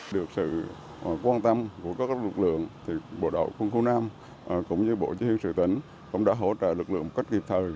được sự quan tâm của các lực lượng thì bộ đội quân khu năm cũng như bộ chính trị tỉnh cũng đã hỗ trợ lực lượng một cách kịp thời